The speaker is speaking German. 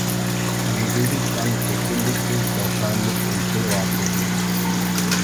Ein Gegenstand befindet sich wahrscheinlich in Privatbesitz.